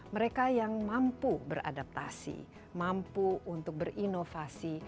mereka yang mampu beradaptasi mampu untuk berinovasi